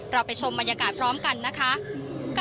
เราไปชมบรรยากาศพร้อมกันนะคะ